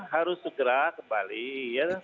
harus segera kembali ya